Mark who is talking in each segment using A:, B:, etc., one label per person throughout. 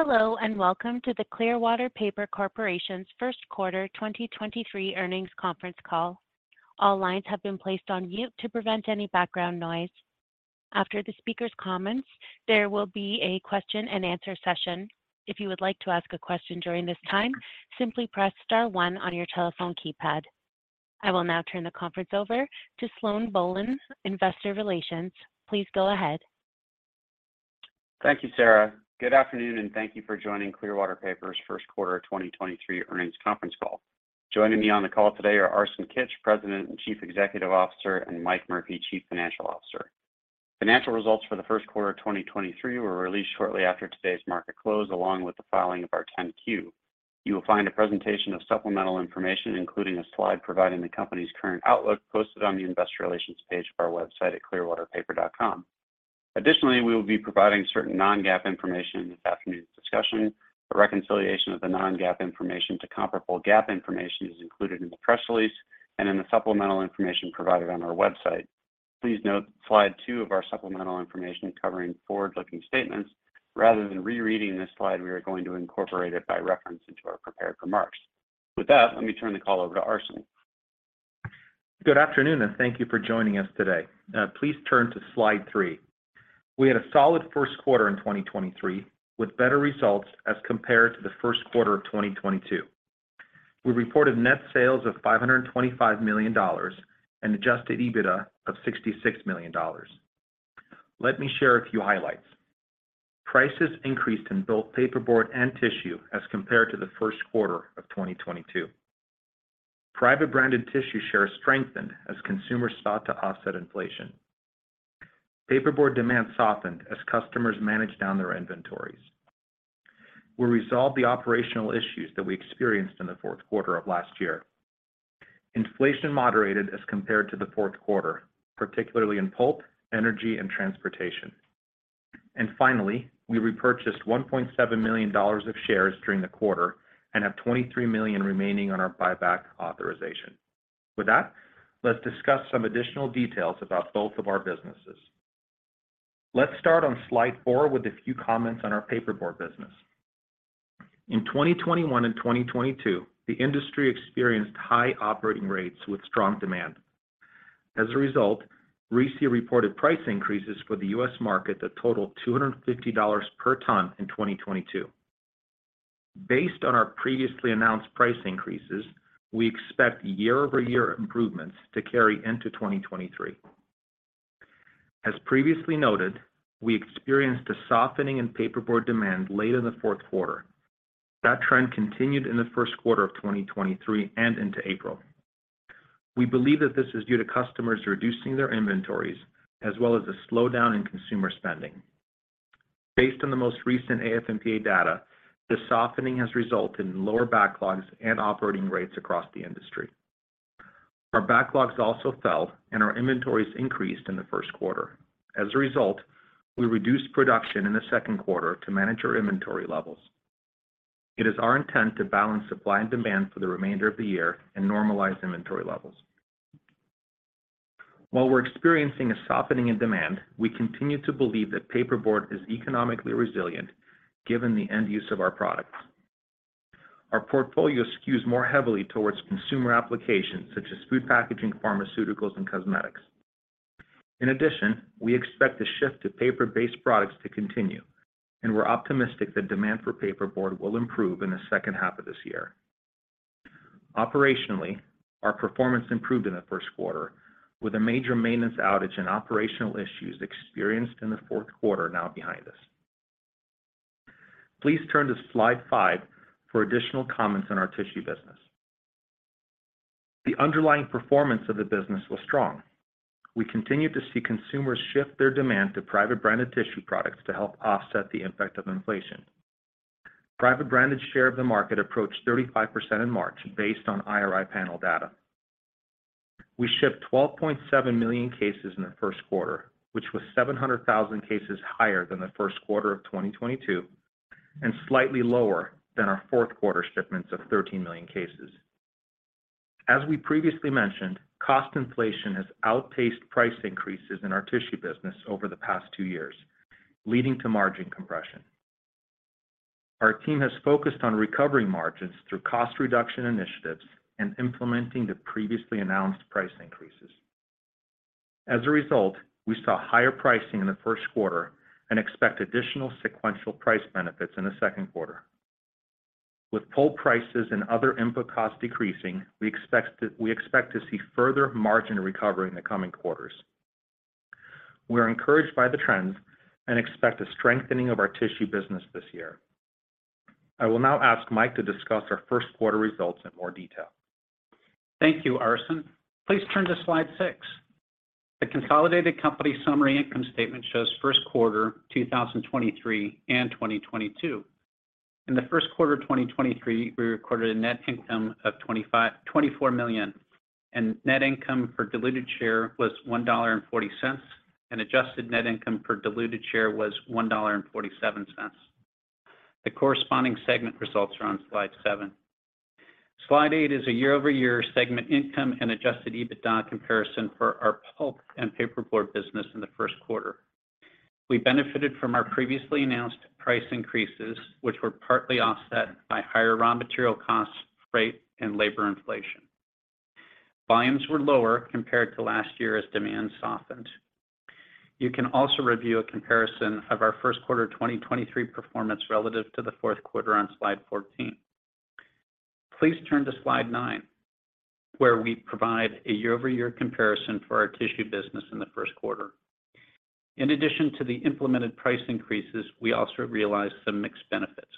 A: Hello, welcome to the Clearwater Paper Corporation's first quarter 2023 earnings conference call. All lines have been placed on mute to prevent any background noise. After the speaker's comments, there will be a question-and-answer session. If you would like to ask a question during this time, simply press Star One on your telephone keypad. I will now turn the conference over to Sloan Bohlen, Investor Relations. Please go ahead.
B: Thank you, Sarah. Good afternoon, and thank you for joining Clearwater Paper's first quarter 2023 earnings conference call. Joining me on the call today are Arsen Kitch, President and Chief Executive Officer, and Mike Murphy, Chief Financial Officer. Financial results for the first quarter of 2023 were released shortly after today's market close, along with the filing of our 10-Q. You will find a presentation of supplemental information, including a slide providing the company's current outlook, posted on the investor relations page of our website at clearwaterpaper.com. Additionally, we will be providing certain non-GAAP information in this afternoon's discussion. A reconciliation of the non-GAAP information to comparable GAAP information is included in the press release and in the supplemental information provided on our website. Please note slide two of our supplemental information covering forward-looking statements. Rather than rereading this slide, we are going to incorporate it by reference into our prepared remarks. With that, let me turn the call over to Arsen.
C: Good afternoon, and thank you for joining us today. Please turn to slide three. We had a solid first quarter in 2023, with better results as compared to the first quarter of 2022. We reported net sales of $525 million and Adjusted EBITDA of $66 million. Let me share a few highlights. Prices increased in both paperboard and tissue as compared to the first quarter of 2022. Private branded tissue share strengthened as consumers sought to offset inflation. Paperboard demand softened as customers managed down their inventories. We resolved the operational issues that we experienc ed in the fourth quarter of last year. Inflation moderated as compared to the fourth quarter, particularly in pulp, energy, and transportation. Finally, we repurchased $1.7 million of shares during the quarter and have $23 million remaining on our buyback authorization. With that, let's discuss some additional details about both of our businesses. Let's start on slide four with a few comments on our paperboard business. In 2021 and 2022, the industry experienced high operating rates with strong demand. As a result, RISI reported price increases for the U.S. market that totaled $250 per ton in 2022. Based on our previously announced price increases, we expect year-over-year improvements to carry into 2023. As previously noted, we experienced a softening in paperboard demand late in the fourth quarter. That trend continued in the first quarter of 2023 and into April. We believe that this is due to customers reducing their inventories as well as a slowdown in consumer spending. Based on the most recent AF&PA data, this softening has resulted in lower backlogs and operating rates across the industry. Our backlogs also fell, and our inventories increased in the first quarter. As a result, we reduced production in the second quarter to manage our inventory levels. It is our intent to balance supply and demand for the remainder of the year and normalize inventory levels. While we're experiencing a softening in demand, we continue to believe that paperboard is economically resilient given the end use of our products. Our portfolio skews more heavily towards consumer applications such as food packaging, pharmaceuticals, and cosmetics. In addition, we expect the shift to paper-based products to continue, and we're optimistic that demand for paperboard will improve in the second half of this year. Operationally, our performance improved in the first quarter, with a major maintenance outage and operational issues experienced in the fourth quarter now behind us. Please turn to slide five for additional comments on our tissue business. The underlying performance of the business was strong. We continue to see consumers shift their demand to private branded tissue products to help offset the impact of inflation. Private branded share of the market approached 35% in March based on IRI panel data. We shipped 12.7 million cases in the first quarter, which was 700,000 cases higher than the first quarter of 2022 and slightly lower than our fourth quarter shipments of 13 million cases. As we previously mentioned, cost inflation has outpaced price increases in our tissue business over the past two years, leading to margin compression. Our team has focused on recovering margins through cost reduction initiatives and implementing the previously announced price increases. As a result, we saw higher pricing in the first quarter and expect additional sequential price benefits in the second quarter. With pulp prices and other input costs decreasing, we expect to see further margin recovery in the coming quarters. We are encouraged by the trends and expect a strengthening of our tissue business this year. I will now ask Mike to discuss our first quarter results in more detail.
D: Thank you, Arsen. Please turn to slide six. The consolidated company summary income statement shows first quarter 2023 and 2022. In the first quarter of 2023, we recorded a net income of $24 million, and net income per diluted share was $1.40, and adjusted net income per diluted share was $1.47. The corresponding segment results are on slide seven. Slide eight is a year-over-year segment income and Adjusted EBITDA comparison for our pulp and paperboard business in the first quarter. We benefited from our previously announced price increases, which were partly offset by higher raw material costs, freight, and labor inflation. Volumes were lower compared to last year as demand softened. You can also review a comparison of our first quarter 2023 performance relative to the fourth quarter on slide 14. Please turn to slide nine, where we provide a year-over-year comparison for our tissue business in the first quarter. In addition to the implemented price increases, we also realized some mixed benefits.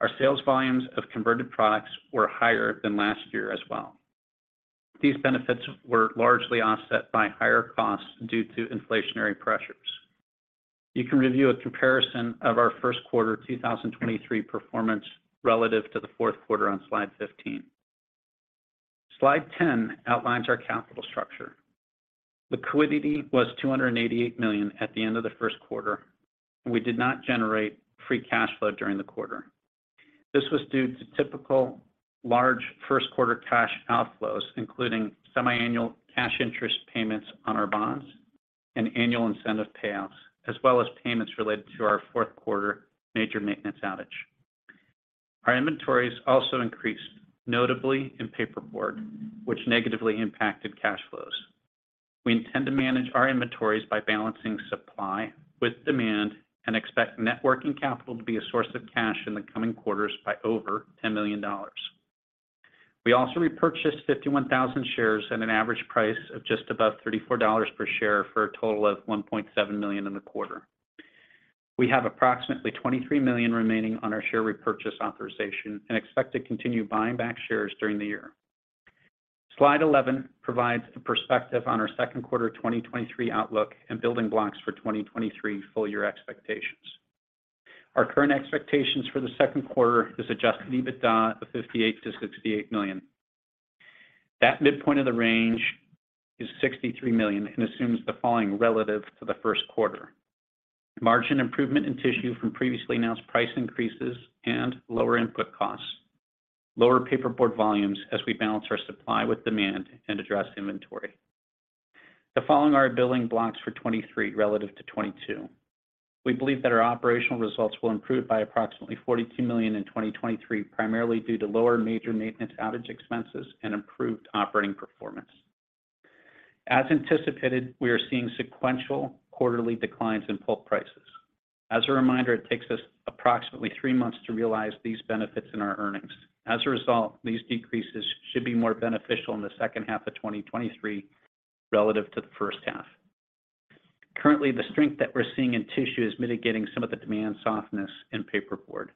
D: Our sales volumes of converted products were higher than last year as well. These benefits were largely offset by higher costs due to inflationary pressures. You can review a comparison of our first quarter 2023 performance relative to the fourth quarter on slide 15. Slide 10 outlines our capital structure. Liquidity was $288 million at the end of the first quarter. We did not generate free cash flow during the quarter. This was due to typical large first quarter cash outflows, including semiannual cash interest payments on our bonds and annual incentive payouts, as well as payments related to our fourth quarter major maintenance outage. Our inventories also increased, notably in paperboard, which negatively impacted cash flows. We intend to manage our inventories by balancing supply with demand and expect net working capital to be a source of cash in the coming quarters by over $10 million. We also repurchased 51,000 shares at an average price of just above $34 per share for a total of $1.7 million in the quarter. We have approximately $23 million remaining on our share repurchase authorization and expect to continue buying back shares during the year. Slide 11 provides a perspective on our second quarter 2023 outlook and building blocks for 2023 full year expectations. Our current expectations for the second quarter is Adjusted EBITDA of $58 million-$68 million. That midpoint of the range is $63 million and assumes the following relative to the first quarter. Margin improvement in tissue from previously announced price increases and lower input costs. Lower paperboard volumes as we balance our supply with demand and address inventory. The following are our building blocks for 2023 relative to 2022. We believe that our operational results will improve by approximately $42 million in 2023, primarily due to lower major maintenance outage expenses and improved operating performance. As anticipated, we are seeing sequential quarterly declines in pulp prices. As a reminder, it takes us approximately three months to realize these benefits in our earnings. As a result, these decreases should be more beneficial in the second half of 2023 relative to the first half. Currently, the strength that we're seeing in tissue is mitigating some of the demand softness in paperboard.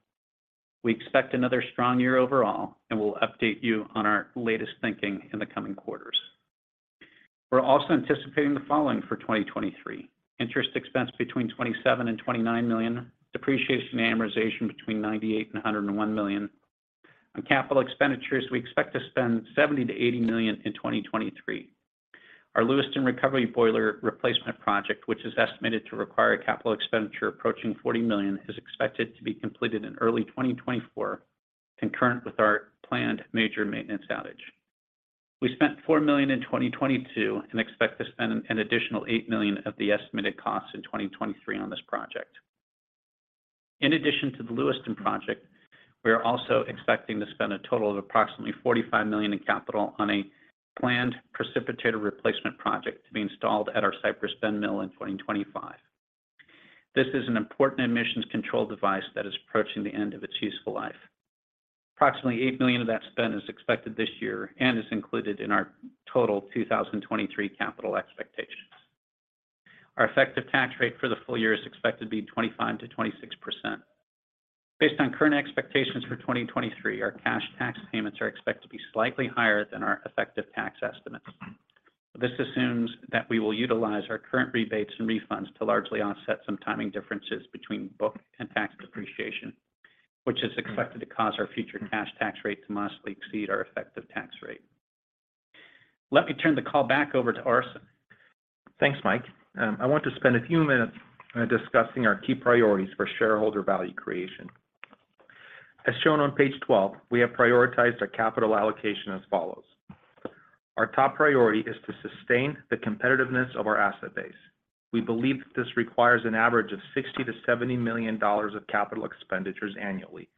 D: We expect another strong year overall, and we'll update you on our latest thinking in the coming quarters. We're also anticipating the following for 2023. Interest expense between $27 million and $29 million. Depreciation and amortization between $98 million and $101 million. On capital expenditures, we expect to spend $70 million-$80 million in 2023. Our Lewiston recovery boiler replacement project, which is estimated to require a capital expenditure approaching $40 million, is expected to be completed in early 2024, concurrent with our planned major maintenance outage. We spent $4 million in 2022 and expect to spend an additional $8 million of the estimated cost in 2023 on this project. In addition to the Lewiston project, we are also expecting to spend a total of approximately $45 million in capital on a planned precipitator replacement project to be installed at our Cypress Bend mill in 2025. This is an important emissions control device that is approaching the end of its useful life. Approximately $8 million of that spend is expected this year and is included in our total 2023 capital expectations. Our effective tax rate for the full year is expected to be 25%-26%. Based on current expectations for 2023, our cash tax payments are expected to be slightly higher than our effective tax estimates. This assumes that we will utilize our current rebates and refunds to largely offset some timing differences between book and tax depreciation, which is expected to cause our future cash tax rate to modestly exceed our effective tax rate. Let me turn the call back over to Arsen.
C: Thanks, Mike. I want to spend a few minutes discussing our key priorities for shareholder value creation. As shown on page 12, we have prioritized our capital allocation as follows. Our top priority is to sustain the competitiveness of our asset base. We believe this requires an average of $60 million-$70 million of capital expenditures annually,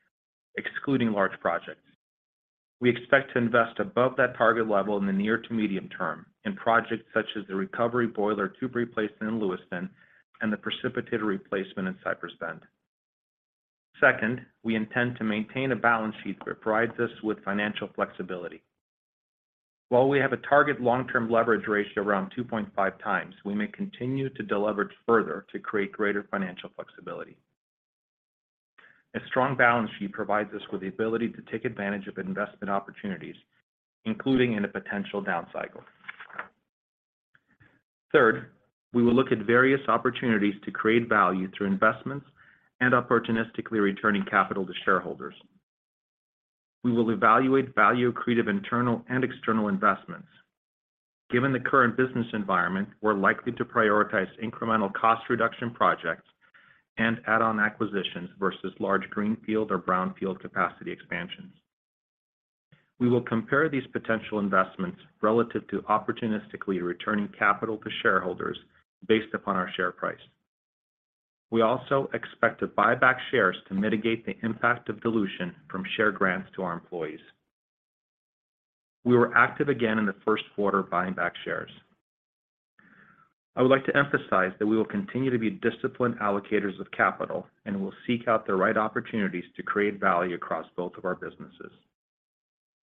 C: excluding large projects. We expect to invest above that target level in the near to medium term in projects such as the recovery boiler tube replacement in Lewiston and the precipitator replacement in Cypress Bend. Second, we intend to maintain a balance sheet that provides us with financial flexibility. While we have a target long-term leverage ratio around 2.5x, we may continue to deleverage further to create greater financial flexibility. A strong balance sheet provides us with the ability to take advantage of investment opportunities, including in a potential downcycle. Third, we will look at various opportunities to create value through investments and opportunistically returning capital to shareholders. We will evaluate value-accretive internal and external investments. Given the current business environment, we're likely to prioritize incremental cost reduction projects and add-on acquisitions versus large greenfield or brownfield capacity expansions. We will compare these potential investments relative to opportunistically returning capital to shareholders based upon our share price. We also expect to buy back shares to mitigate the impact of dilution from share grants to our employees. We were active again in the first quarter buying back shares. I would like to emphasize that we will continue to be disciplined allocators of capital, and we'll seek out the right opportunities to create value across both of our businesses.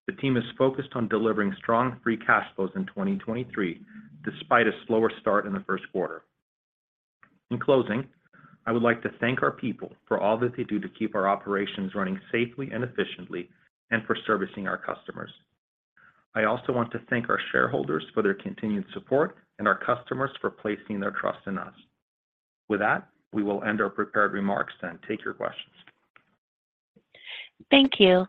C: The team is focused on delivering strong free cash flows in 2023, despite a slower start in the first quarter. In closing, I would like to thank our people for all that they do to keep our operations running safely and efficiently and for servicing our customers. I also want to thank our shareholders for their continued support and our customers for placing their trust in us. With that, we will end our prepared remarks, then take your questions.
A: Thank you.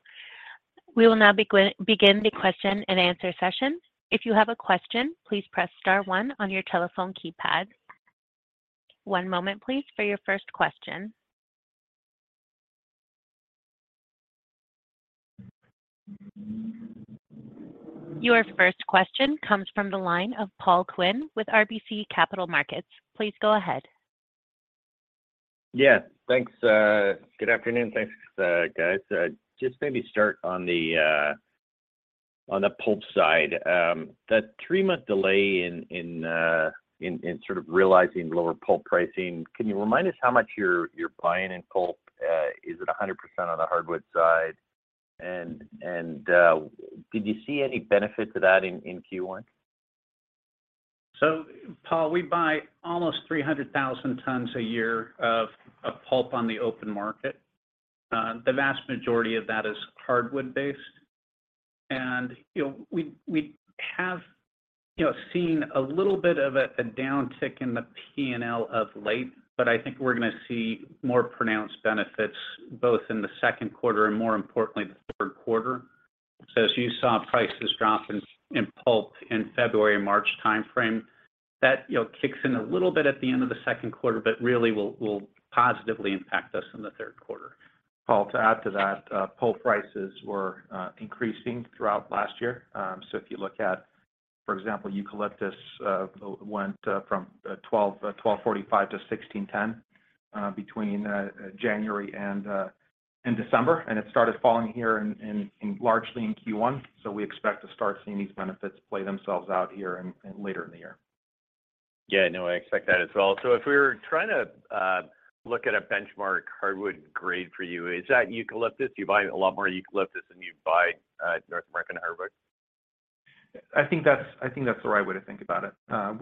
A: We will now begin the question and answer session. If you have a question, please press star one on your telephone keypad. One moment please for your first question. Your first question comes from the line of Paul Quinn with RBC Capital Markets. Please go ahead.
E: Yeah, thanks. Good afternoon, thanks, guys. Just maybe start on the pulp side. That three-month delay in sort of realizing lower pulp pricing, can you remind us how much you're buying in pulp? Is it 100% on the hardwood side? Did you see any benefit to that in Q1?
D: Paul, we buy almost 300,000 tons a year of pulp on the open market. The vast majority of that is hardwood-based. You know, we have, you know, seen a little bit of a downtick in the P& L of late, but I think we're gonna see more pronounced benefits both in the second quarter and, more importantly, the third quarter. As you saw prices drop in pulp in February and March timeframe, that, you know, kicks in a little bit at the end of the second quarter, but really will positively impact us in the third quarter.
C: Paul, to add to that, pulp prices were increasing throughout last year. If you look at, for example, eucalyptus, went from $12.45 to $16.10, between January and December, and it started falling here in, in largely in Q1. We expect to start seeing these benefits play themselves out here in later in the year.
E: Yeah, no, I expect that as well. If we were trying to look at a benchmark hardwood grade for you, is that eucalyptus? You buy a lot more eucalyptus than you buy North American hardwood.
C: I think that's the right way to think about it.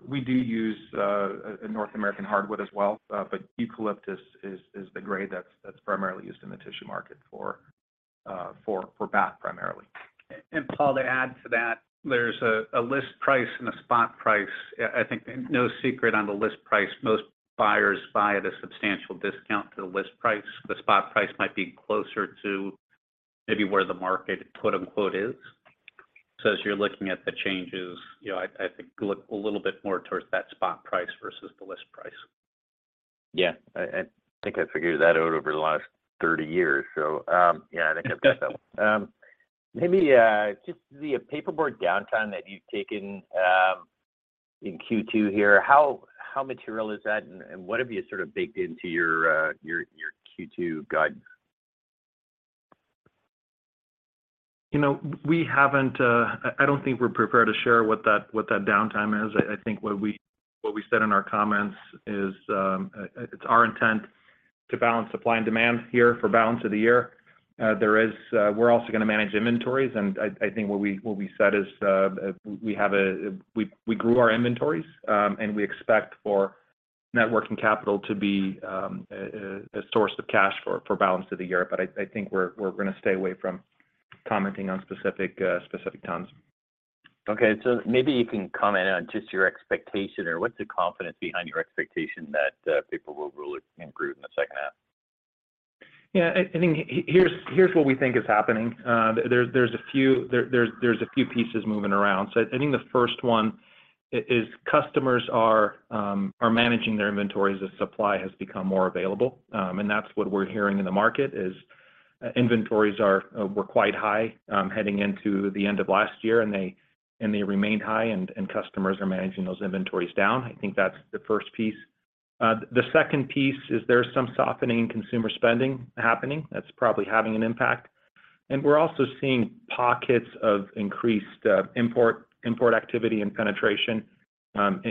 C: We do use a North American hardwood as well, but eucalyptus is the grade that's primarily used in the tissue market for bath primarily.
D: Paul, to add to that, there's a list price and a spot price. I think no secret on the list price, most buyers buy at a substantial discount to the list price. The spot price might be closer to maybe where the market quote unquote is. As you're looking at the changes, you know, I think look a little bit more towards that spot price versus the list price.
E: Yeah. I think I figured that out over the last 30 years. Yeah, I think I've got that one. Maybe, just the paperboard downtime that you've taken, in Q2 here, how material is that and what have you sort of baked into your Q2 guidance?
C: You know, we haven't, I don't think we're prepared to share what that downtime is. I think what we said in our comments is, it's our intent to balance supply and demand here for balance of the year. There is, we're also gonna manage inventories, and I think what we said is, we grew our inventories, and we expect for net working capital to be a source of cash for balance of the year. I think we're gonna stay away from commenting on specific tons.
E: Okay. maybe you can comment on just your expectation or what's the confidence behind your expectation that paper will really improve in the second half?
C: Yeah, I think here's what we think is happening. There's a few pieces moving around. I think the first one is customers are managing their inventories as supply has become more available. That's what we're hearing in the market is inventories were quite high heading into the end of last year, and they remained high and customers are managing those inventories down. I think that's the first piece. The second piece is there's some softening in consumer spending happening that's probably having an impact. We're also seeing pockets of increased import activity and penetration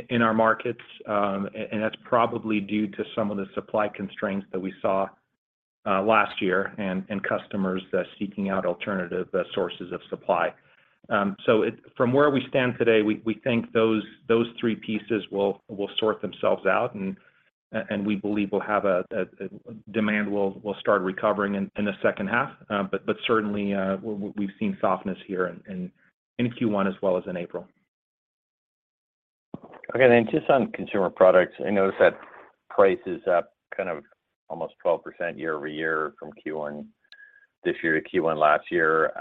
C: in our markets. That's probably due to some of the supply constraints that we saw last year and customers seeking out alternative sources of supply. From where we stand today, we think those three pieces will sort themselves out and we believe we'll have Demand will start recovering in the second half. Certainly, we've seen softness here in Q1 as well as in April.
E: Just on consumer products, I noticed that price is up kind of almost 12% year-over-year from Q1 this year to Q1 last year.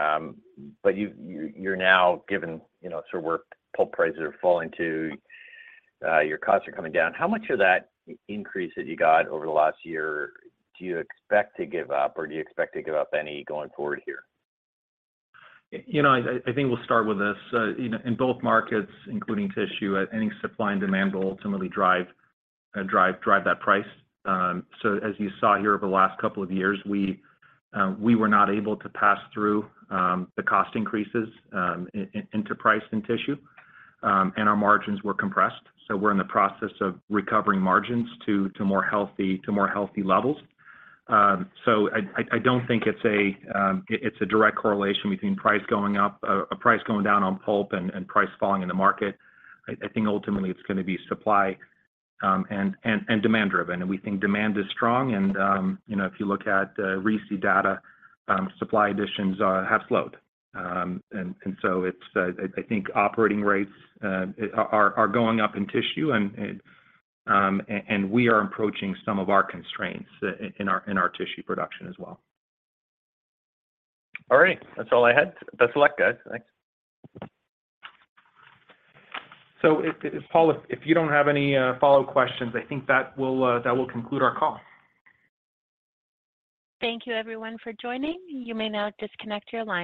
E: You're now given, you know, sort of where pulp prices are falling to, your costs are coming down. How much of that increase that you got over the last year do you expect to give up or do you expect to give up any going forward here?
C: You know, I think we'll start with this. You know, in both markets, including tissue, I think supply and demand will ultimately drive that price. As you saw here over the last couple of years, we were not able to pass through the cost increases into price and tissue, and our margins were compressed. We're in the process of recovering margins to more healthy levels. I don't think it's a direct correlation between price going up, price going down on pulp and price falling in the market. I think ultimately it's gonna be supply and demand driven. We think demand is strong and, you know, if you look at RISI data, supply additions have slowed. It's, I think operating rates are going up in tissue and we are approaching some of our constraints in our tissue production as well.
E: All right. That's all I had. Best of luck, guys. Thanks.
C: If, Paul, if you don't have any, follow questions, I think that will conclude our call.
A: Thank you everyone for joining. You may now disconnect your line.